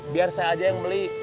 biar saya aja yang beli